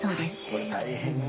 これ大変よ。